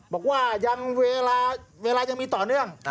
บอกว่ายังเวลายังมีต่อเนื่อง